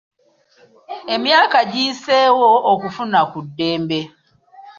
Emyaka giyiseewo okufuna ku ddembe.